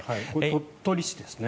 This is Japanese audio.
鳥取市ですね。